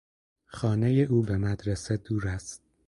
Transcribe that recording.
خانهٔ او به مدرسه دور است.